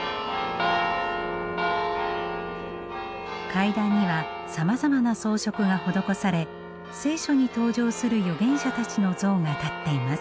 階段にはさまざまな装飾が施され「聖書」に登場する預言者たちの像が立っています。